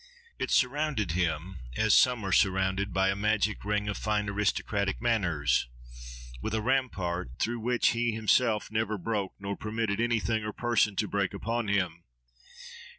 It surrounded him, as some are surrounded by a magic ring of fine aristocratic manners, with "a rampart," through which he himself never broke, nor permitted any thing or person to break upon him.